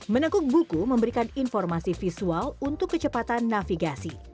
menekuk buku memberikan informasi visual untuk kecepatan navigasi